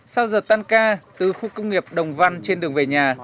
sau giờ tan ca từ khu công nghiệp đồng văn trên đường về nhà